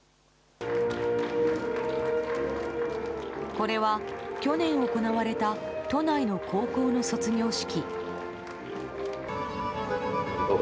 これは去年行われた都内の高校の卒業式。